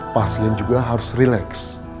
pasien juga harus relax